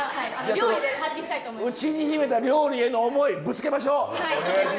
内に秘めた料理への思いぶつけましょう！